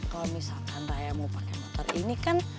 kalau misalkan raya mau pakai motor ini kan